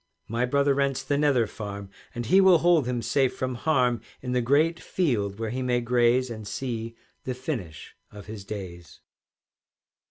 "My brother rents the Nether Farm, And he will hold him safe from harm In the great field where he may graze, And see the finish of his days."